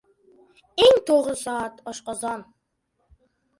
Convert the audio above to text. Eng toʻgʻri soat – oshqozon.